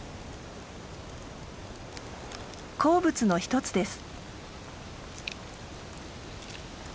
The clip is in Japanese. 好物の一つです。